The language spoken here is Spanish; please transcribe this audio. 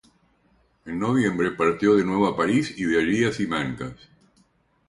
En noviembre partió de nuevo a París y de allí a Simancas.